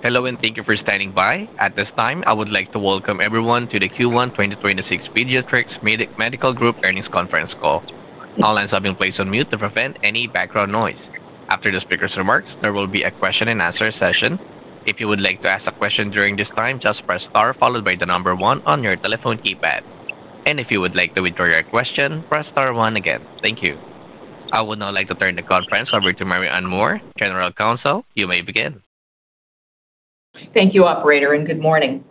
Hello, and thank you for standing by. At this time, I would like to welcome everyone to the Q1 2026 Pediatrix Medical Group Earnings Conference Call. All lines have been placed on mute to prevent any background noise. After the speaker's remarks, there will be a question and answer session. If you would like to ask a question during this time, just press star followed by the number one on your telephone keypad. If you would like to withdraw your question, press star one again. Thank you. I would now like to turn the conference over to Mary Ann E. Moore, General Counsel. You may begin. Thank you, operator, and good morning.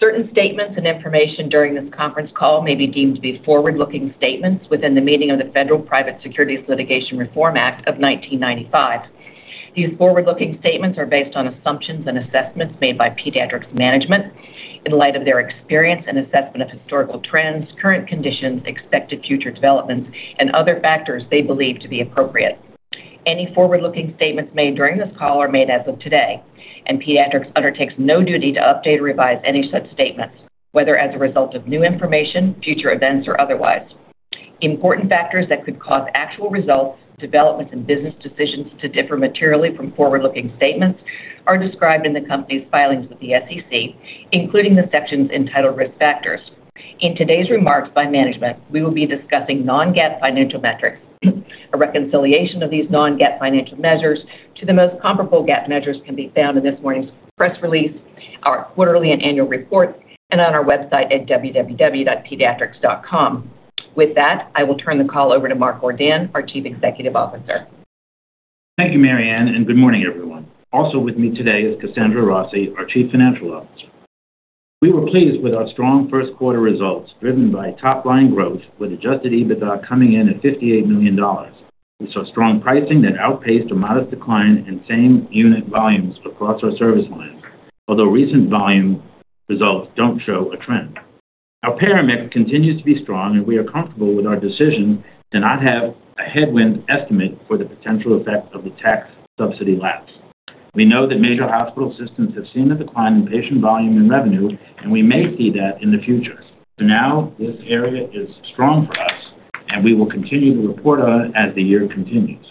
Certain statements and information during this conference call may be deemed to be forward-looking statements within the meaning of the Federal Private Securities Litigation Reform Act of 1995. These forward-looking statements are based on assumptions and assessments made by Pediatrix's management in light of their experience and assessment of historical trends, current conditions, expected future developments, and other factors they believe to be appropriate. Any forward-looking statements made during this call are made as of today, and Pediatrix undertakes no duty to update or revise any such statements, whether as a result of new information, future events, or otherwise. Important factors that could cause actual results, developments, and business decisions to differ materially from forward-looking statements are described in the company's filings with the SEC, including the sections entitled Risk Factors. In today's remarks by management, we will be discussing non-GAAP financial metrics. A reconciliation of these non-GAAP financial measures to the most comparable GAAP measures can be found in this morning's press release, our quarterly and annual reports, and on our website at www.pediatrix.com. With that, I will turn the call over to Mark Ordan, our Chief Executive Officer. Thank you, Mary Ann, and good morning, everyone. Also with me today is Kasandra Rossi, our Chief Financial Officer. We were pleased with our strong first quarter results, driven by top-line growth with adjusted EBITDA coming in at $58 million. We saw strong pricing that outpaced a modest decline in same unit volumes across our service lines. Although recent volume results don't show a trend. Our payer mix continues to be strong, and we are comfortable with our decision to not have a headwind estimate for the potential effect of the tax subsidy lapse. We know that major hospital systems have seen a decline in patient volume and revenue, and we may see that in the future. For now, this area is strong for us, and we will continue to report on it as the year continues.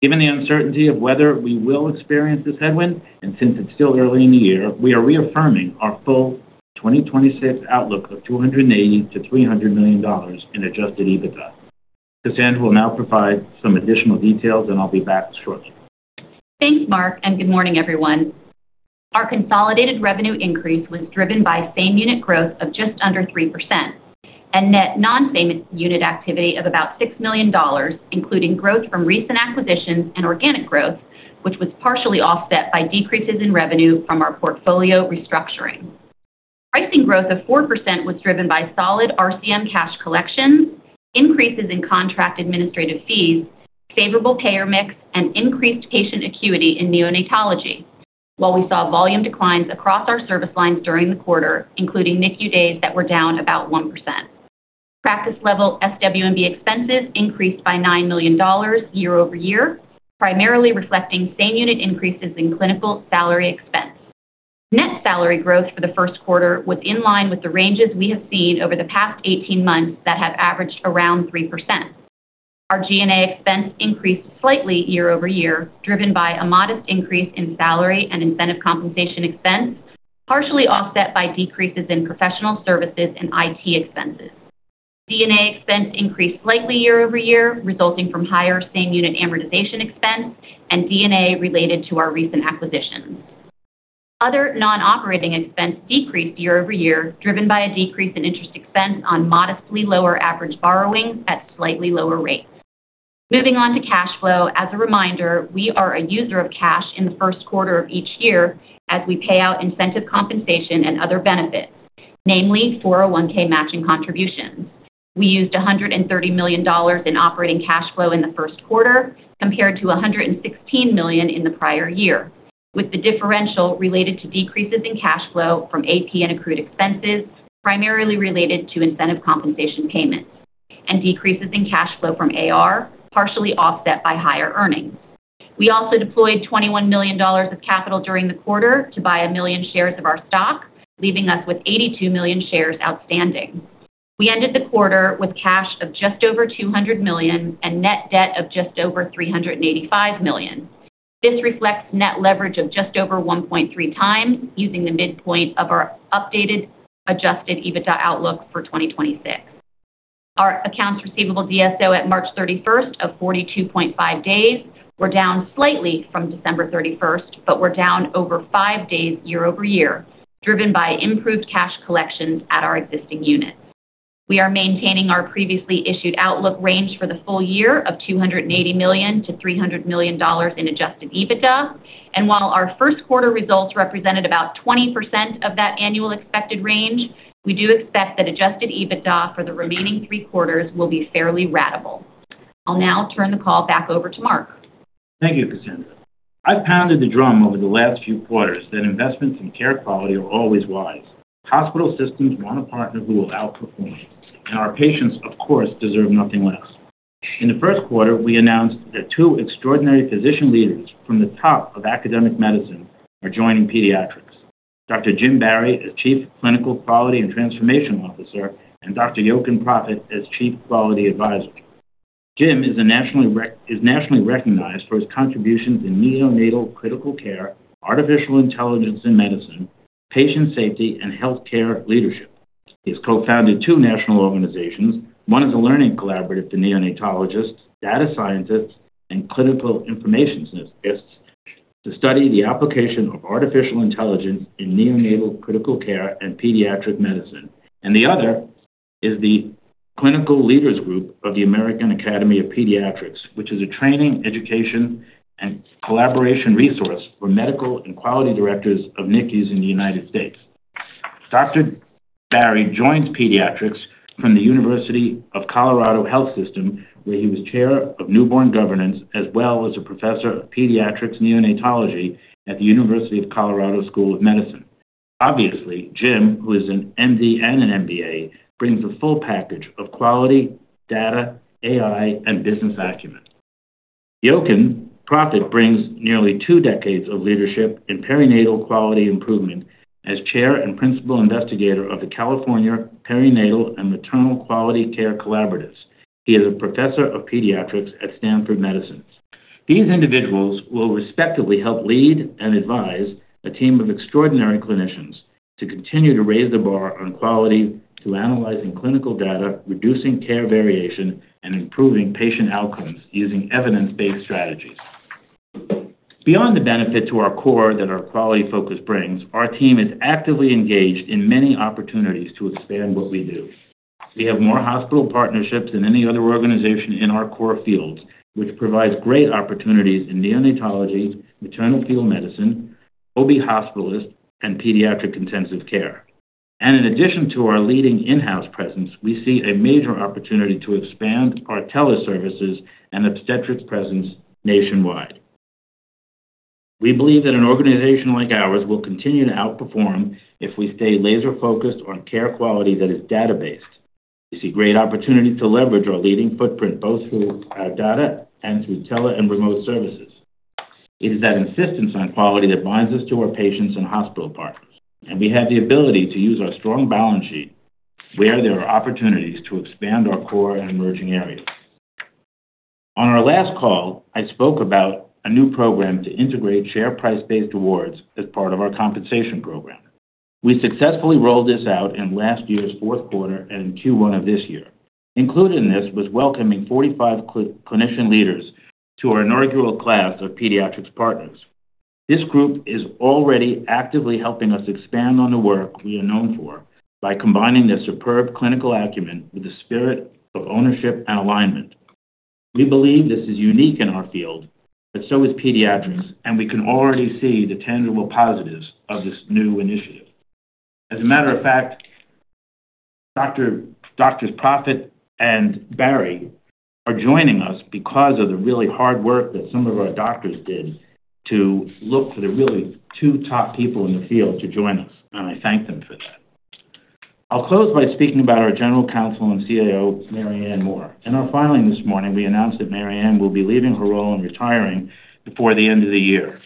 Given the uncertainty of whether we will experience this headwind, and since it's still early in the year, we are reaffirming our full 2026 outlook of $280 million-$300 million in adjusted EBITDA. Kasandra will now provide some additional details, and I'll be back shortly. Thanks, Mark, and good morning, everyone. Our consolidated revenue increase was driven by same unit growth of just under 3% and net non-same unit activity of about $6 million, including growth from recent acquisitions and organic growth, which was partially offset by decreases in revenue from our portfolio restructuring. Pricing growth of 4% was driven by solid RCM cash collections, increases in contract administrative fees, favorable payer mix, and increased patient acuity in neonatology. While we saw volume declines across our service lines during the quarter, including NICU days that were down about 1%. Practice level SW&B expenses increased by $9 million year-over-year, primarily reflecting same unit increases in clinical salary expense. Net salary growth for the first quarter was in line with the ranges we have seen over the past 18 months that have averaged around 3%. Our G&A expense increased slightly year-over-year, driven by a modest increase in salary and incentive compensation expense, partially offset by decreases in professional services and IT expenses. D&A expense increased slightly year-over-year, resulting from higher same unit amortization expense and D&A related to our recent acquisitions. Other non-operating expense decreased year-over-year, driven by a decrease in interest expense on modestly lower average borrowing at slightly lower rates. Moving on to cash flow, as a reminder, we are a user of cash in the first quarter of each year as we pay out incentive compensation and other benefits, namely 401 matching contributions. We used $130 million in operating cash flow in the first quarter compared to $116 million in the prior year, with the differential related to decreases in cash flow from AP and accrued expenses, primarily related to incentive compensation payments and decreases in cash flow from AR, partially offset by higher earnings. We also deployed $21 million of capital during the quarter to buy 1 million shares of our stock, leaving us with 82 million shares outstanding. We ended the quarter with cash of just over $200 million and net debt of just over $385 million. This reflects net leverage of just over 1.3x using the midpoint of our updated adjusted EBITDA outlook for 2026. Our accounts receivable DSO at March 31st of 42.5 days were down slightly from December 31st, but were down over five days year-over-year, driven by improved cash collections at our existing units. We are maintaining our previously issued outlook range for the full year of $280 million-$300 million in adjusted EBITDA. While our first quarter results represented about 20% of that annual expected range, we do expect that adjusted EBITDA for the remaining three quarters will be fairly ratable. I'll now turn the call back over to Mark Ordan. Thank you, Kasandra. I've pounded the drum over the last few quarters that investments in care quality are always wise. Hospital systems want a partner who will outperform, our patients, of course, deserve nothing less. In the first quarter, we announced that two extraordinary physician leaders from the top of academic medicine are joining Pediatrix. Dr. James Barry as Chief Clinical Quality and Transformation Officer and Dr. Jochen Profit as Chief Quality Advisor. James is nationally recognized for his contributions in neonatal critical care, artificial intelligence in medicine, patient safety, and healthcare leadership. He has co-founded two national organizations. One is a learning collaborative to neonatologists, data scientists, and clinical informationists to study the application of artificial intelligence in neonatal critical care and pediatric medicine. The other is the Clinical Leaders Group of the American Academy of Pediatrics, which is a training, education, and collaboration resource for medical and quality directors of NICUs in the U.S. Dr. Barry joins Pediatrix from UCHealth, where he was chair of newborn governance, as well as a professor of pediatrics neonatology at the University of Colorado School of Medicine. Obviously, Jim, who is an M.D. and an M.B.A., brings a full package of quality, data, AI, and business acumen. Jochen Profit brings nearly two decades of leadership in perinatal quality improvement as chair and principal investigator of the California Perinatal and Maternal Quality Care Collaboratives. He is a professor of pediatrics at Stanford Medicine. These individuals will respectively help lead and advise a team of extraordinary clinicians to continue to raise the bar on quality to analyzing clinical data, reducing care variation, and improving patient outcomes using evidence-based strategies. Beyond the benefit to our core that our quality focus brings, our team is actively engaged in many opportunities to expand what we do. We have more hospital partnerships than any other organization in our core fields, which provides great opportunities in neonatology, maternal fetal medicine, OB hospitalist, and pediatric intensive care. In addition to our leading in-house presence, we see a major opportunity to expand our teleservices and obstetrics presence nationwide. We believe that an organization like ours will continue to outperform if we stay laser-focused on care quality that is data-based. We see great opportunity to leverage our leading footprint, both through our data and through tele and remote services. It is that insistence on quality that binds us to our patients and hospital partners. We have the ability to use our strong balance sheet where there are opportunities to expand our core and emerging areas. On our last call, I spoke about a new program to integrate share price-based awards as part of our compensation program. We successfully rolled this out in last year's fourth quarter and in Q1 of this year. Included in this was welcoming 45 clinician leaders to our inaugural class of Pediatrix partners. This group is already actively helping us expand on the work we are known for by combining their superb clinical acumen with the spirit of ownership and alignment. We believe this is unique in our field. So is Pediatrix. We can already see the tangible positives of this new initiative. As a matter of fact, Doctors Profit and Barry are joining us because of the really hard work that some of our doctors did to look for the really two top people in the field to join us, and I thank them for that. I'll close by speaking about our General Counsel and CAO, Mary Ann Moore. In our filing this morning, we announced that Mary Ann will be leaving her role and retiring before the end of the year.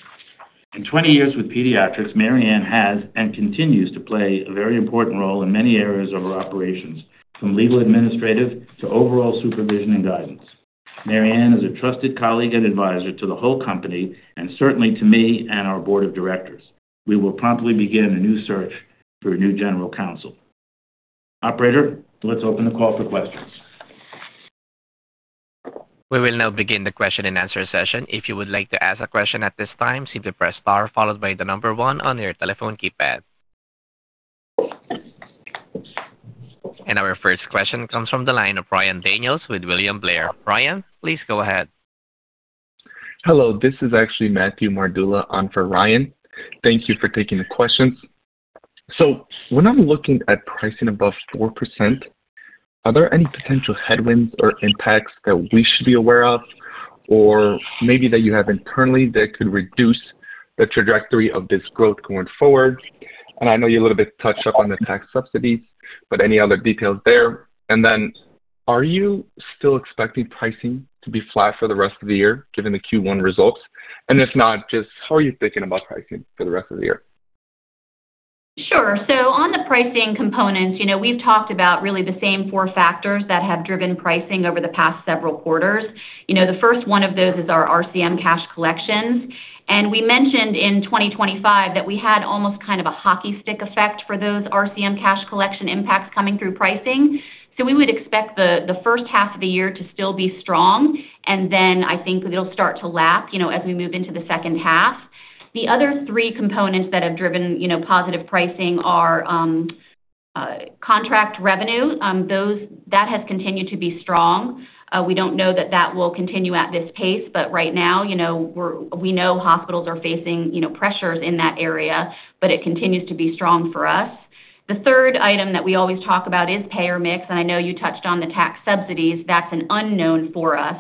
In 20 years with Pediatrix, Mary Ann has and continues to play a very important role in many areas of our operations, from legal administrative to overall supervision and guidance. Mary Ann is a trusted colleague and advisor to the whole company and certainly to me and our board of directors. We will promptly begin a new search for a new general counsel. Operator, let's open the call for questions. We will now begin the question-and-answer session. If you would like to ask a question at this time, simply press star followed by one on your telephone keypad. Our first question comes from the line of Ryan Daniels with William Blair. Ryan, please go ahead. Hello, this is actually Matthew Mardula on for Ryan. Thank you for taking the questions. When I'm looking at pricing above 4%, are there any potential headwinds or impacts that we should be aware of or maybe that you have internally that could reduce the trajectory of this growth going forward? I know you a little bit touched on the tax subsidies, but any other details there? Are you still expecting pricing to be flat for the rest of the year, given the Q1 results? If not, just how are you thinking about pricing for the rest of the year? Sure. On the pricing components, you know, we've talked about really the same four factors that have driven pricing over the past several quarters. You know, the first one of those is our RCM cash collections. We mentioned in 2025 that we had almost kind of a hockey stick effect for those RCM cash collection impacts coming through pricing. We would expect the first half of the year to still be strong. I think it'll start to lap, you know, as we move into the second half. The other three components that have driven, you know, positive pricing are contract revenue. That has continued to be strong. We don't know that that will continue at this pace. Right now, you know, we know hospitals are facing, you know, pressures in that area, but it continues to be strong for us. The third item that we always talk about is payer mix, and I know you touched on the tax subsidies. That's an unknown for us.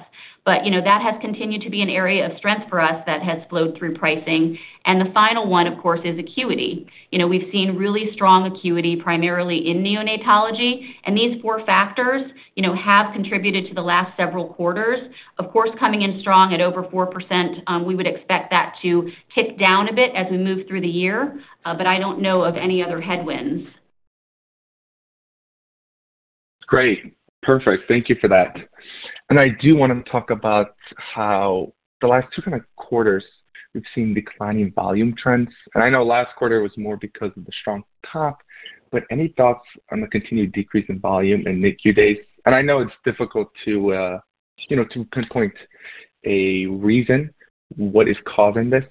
You know, that has continued to be an area of strength for us that has flowed through pricing. The final one, of course, is acuity. You know, we've seen really strong acuity primarily in neonatology. These four factors, you know, have contributed to the last several quarters. Of course, coming in strong at over 4%, we would expect that to tick down a bit as we move through the year. I don't know of any other headwinds. Great. Perfect. Thank you for that. I do wanna talk about how the last two kind of quarters we've seen declining volume trends. I know last quarter was more because of the strong comp, any thoughts on the continued decrease in volume in NICU days? I know it's difficult to, you know, to pinpoint a reason what is causing this,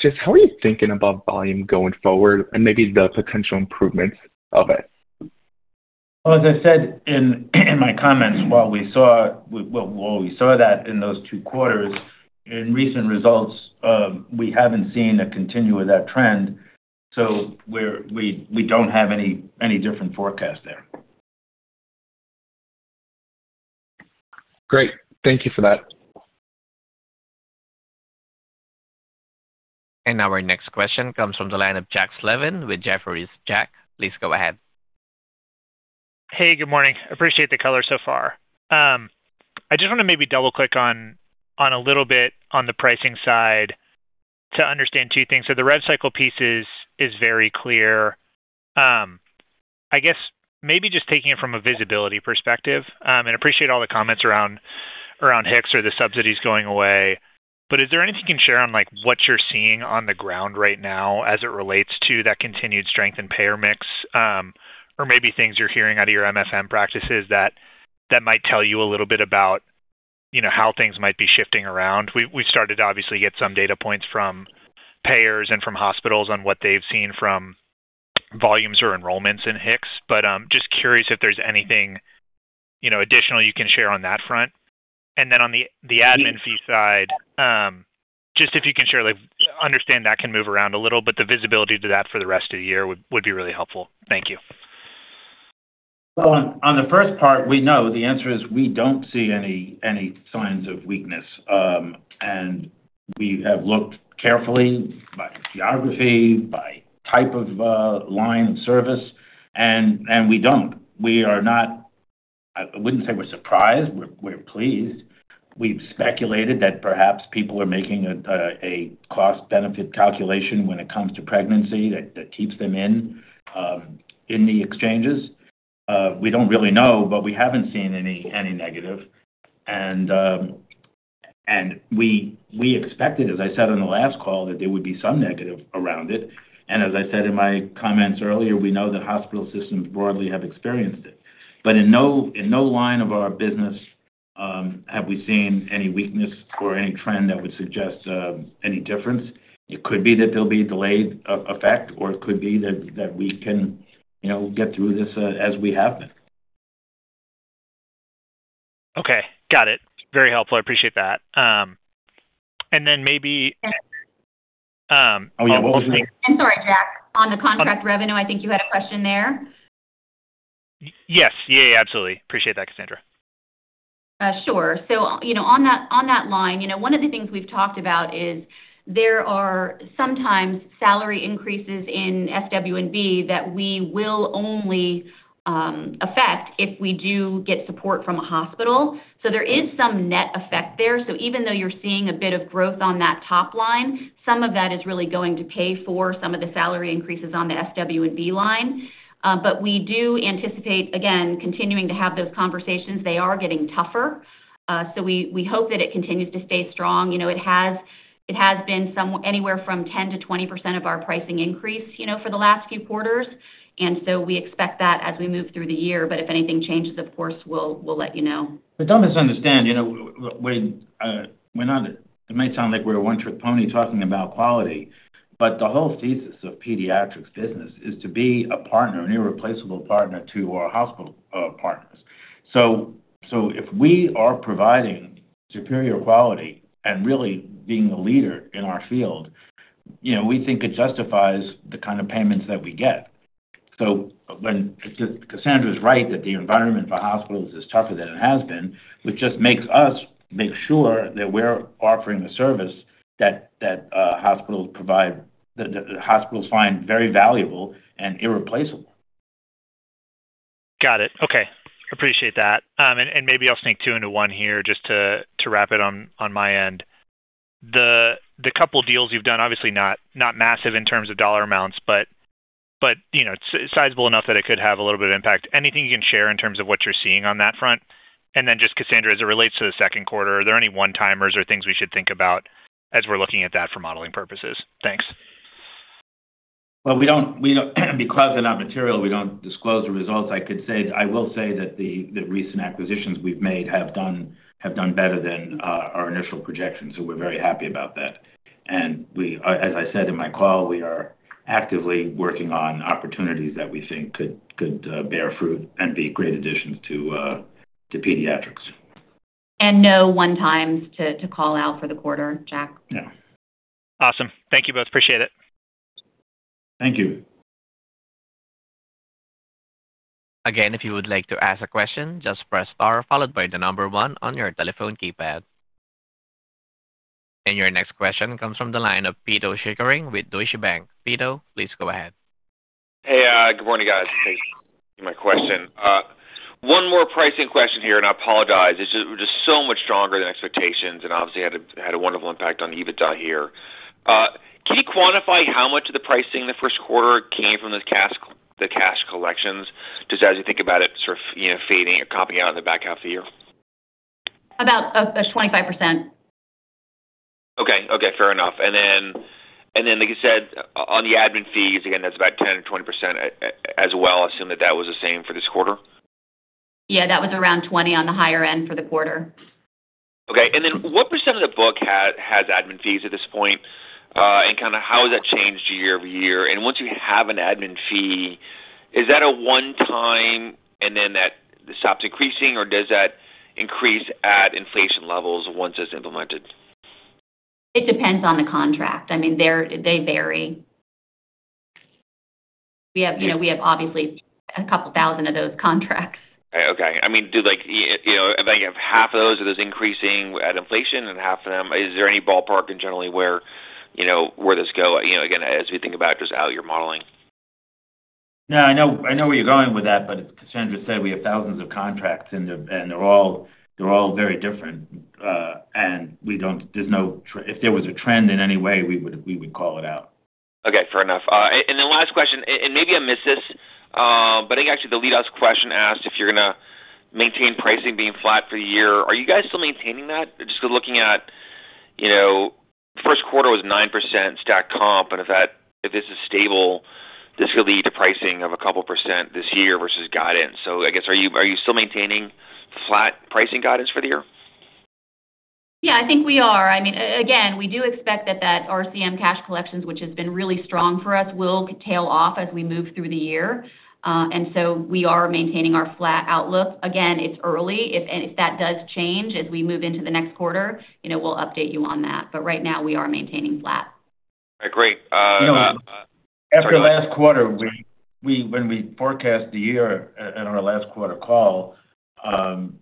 just how are you thinking about volume going forward and maybe the potential improvements of it? Well, as I said in my comments, while we saw that in those two quarters, in recent results, we haven't seen a continue of that trend. We don't have any different forecast there. Great. Thank you for that. Now our next question comes from the line of Jack Slevin with Jefferies. Jack, please go ahead. Hey, good morning. Appreciate the color so far. I just wanna maybe double-click on a little bit on the pricing side to understand two things. The rev cycle piece is very clear. I guess maybe just taking it from a visibility perspective, appreciate all the comments around HIX or the subsidies going away, is there anything you can share on, like, what you're seeing on the ground right now as it relates to that continued strength in payer mix, or maybe things you're hearing out of your MFM practices that might tell you a little bit about, you know, how things might be shifting around? We started to obviously get some data points from payers and from hospitals on what they've seen from volumes or enrollments in HIX, but, just curious if there's anything, you know, additional you can share on that front. Then on the admin fee side, just if you can share, like, understand that can move around a little, but the visibility to that for the rest of the year would be really helpful. Thank you. Well, on the first part, we know the answer is we don't see any signs of weakness. We have looked carefully by geography, by type of, line of service, and we don't. I wouldn't say we're surprised. We're pleased. We've speculated that perhaps people are making a, a cost-benefit calculation when it comes to pregnancy that keeps them in the exchanges. We don't really know, but we haven't seen any negative. We, we expected, as I said on the last call, that there would be some negative around it. As I said in my comments earlier, we know that hospital systems broadly have experienced it. In no, in no line of our business, have we seen any weakness or any trend that would suggest, any difference. It could be that there'll be delayed effect, or it could be that we can, you know, get through this as we have been. Okay. Got it. Very helpful. I appreciate that. Oh, yeah. Sorry, Jack, on the contract revenue, I think you had a question there. Yes. Yeah, absolutely. Appreciate that, Kasandra. Sure. You know, on that, on that line, you know, one of the things we've talked about is there are sometimes salary increases in SW&B that we will only affect if we do get support from a hospital. There is some net effect there. Even though you're seeing a bit of growth on that top line, some of that is really going to pay for some of the salary increases on the SW&B line. We do anticipate, again, continuing to have those conversations. They are getting tougher. We hope that it continues to stay strong. You know, it has been anywhere from 10% to 20% of our pricing increase, you know, for the last few quarters. We expect that as we move through the year. If anything changes, of course, we'll let you know. Don't misunderstand, you know, we're not. It may sound like we're a one-trick pony talking about quality, but the whole thesis of Pediatrix business is to be a partner, an irreplaceable partner to our hospital partners. If we are providing superior quality and really being the leader in our field, you know, we think it justifies the kind of payments that we get. When Kasandra's right that the environment for hospitals is tougher than it has been, which just makes us make sure that we're offering a service that hospitals provide that hospitals find very valuable and irreplaceable. Got it. Okay. Appreciate that. Maybe I'll sneak two into one here just to wrap it on my end. The couple deals you've done, obviously not massive in terms of dollar amounts, but, you know, sizeable enough that it could have a little bit of impact. Anything you can share in terms of what you're seeing on that front? Just Kasandra, as it relates to the second quarter, are there any one-timers or things we should think about as we're looking at that for modeling purposes? Thanks. We don't because they're not material, we don't disclose the results. I will say that the recent acquisitions we've made have done better than our initial projections, so we're very happy about that. As I said in my call, we are actively working on opportunities that we think could bear fruit and be great additions to Pediatrix. No one-time to call out for the quarter, Jack. No. Awesome. Thank you both. Appreciate it. Thank you. Your next question comes from the line of Pito Chickering with Deutsche Bank. Pito, please go ahead. Hey, good morning, guys. Thanks for my question. One more pricing question here. I apologize. It's just so much stronger than expectations and obviously had a wonderful impact on EBITDA here. Can you quantify how much of the pricing in the first quarter came from the cash collections, just as you think about it sort of, you know, fading or topping out in the back half of the year? About 25%. Okay. Okay, fair enough. Then like you said, on the admin fees, again, that's about 10%-20% as well. Assume that that was the same for this quarter? Yeah, that was around $20 on the higher end for the quarter. Okay. What percent of the book has admin fees at this point? Kinda how has that changed year-over-year? Once you have an admin fee, is that a one-time and then that stops increasing or does that increase at inflation levels once it's implemented? It depends on the contract. I mean, they vary. We have, you know, we have obviously a couple thousand of those contracts. Okay. I mean, do like, you know, if I have half of those, are those increasing at inflation and half of them, is there any ballpark in generally where, you know, where this go? You know, again, as we think about just how you're modeling. No, I know, I know where you're going with that. As Kasandra said, we have thousands of contracts and they're all very different. If there was a trend in any way, we would call it out. Okay, fair enough. Last question, maybe I missed this, but I think actually the lead ask question asked if you're gonna maintain pricing being flat for the year. Are you guys still maintaining that? Just looking at, you know, first quarter was 9% stack comp, and if this is stable, this could lead to pricing of a couple % this year versus guidance. I guess, are you, are you still maintaining flat pricing guidance for the year? Yeah, I think we are. I mean, again, we do expect that RCM cash collections, which has been really strong for us, will tail off as we move through the year. We are maintaining our flat outlook. Again, it's early. If that does change as we move into the next quarter, you know, we'll update you on that. Right now we are maintaining flat. All right, great. You know, after last quarter, when we forecast the year at our last quarter call,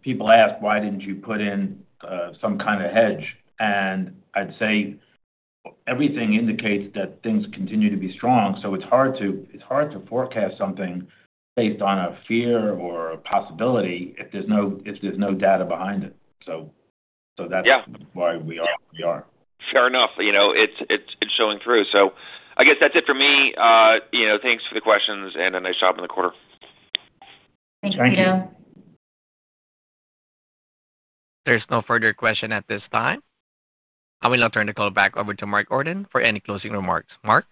people asked, "Why didn't you put in some kinda hedge?" I'd say everything indicates that things continue to be strong, so it's hard to forecast something based on a fear or a possibility if there's no data behind it. Yeah. Why we are. Fair enough. You know, it's showing through. I guess that's it for me. You know, thanks for the questions and a nice job on the quarter. Thank you. Thank you. There's no further question at this time. I will now turn the call back over to Mark Ordan for any closing remarks. Mark?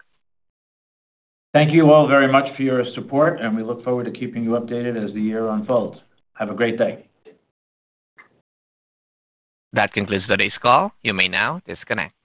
Thank you all very much for your support. We look forward to keeping you updated as the year unfolds. Have a great day. That concludes today's call. You may now disconnect.